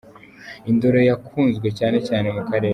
Indoro ya kunzwe cyane mu karere